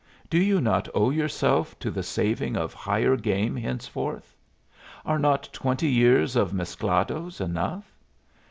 Do you not owe yourself to the saving of higher game henceforth? Are not twenty years of mesclados enough?